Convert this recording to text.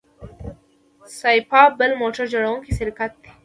سایپا بل موټر جوړوونکی شرکت دی.